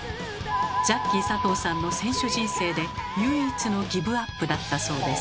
ジャッキー佐藤さんの選手人生で唯一のギブアップだったそうです。